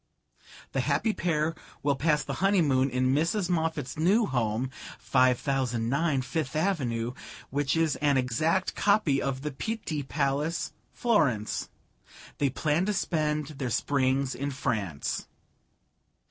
The happy pair will pass the honeymoon in Mrs. Moffatt's new home, 5009 Fifth Avenue, which is an exact copy of the Pitti Palace, Florence. They plan to spend their springs in France.'"